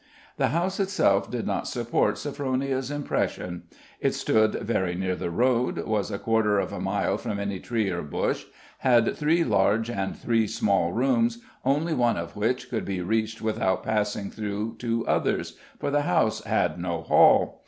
The house itself did not support Sophronia's impression. It stood very near the road, was a quarter of a mile from any tree or bush, had three large and three small rooms, only one of which could be reached without passing through two others, for the house had no hall.